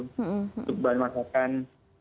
untuk bahan masakan